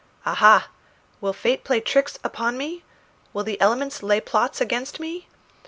"Aha! will fate play tricks upon me? Will the elements lay plots against me?